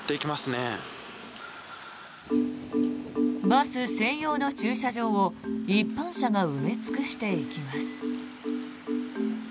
バス専用の駐車場を一般車が埋め尽くしていきます。